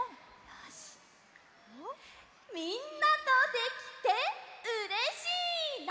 よしみんなとできてうれしいな！